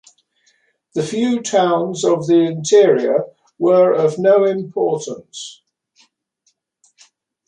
The few towns of the interior were of no importance.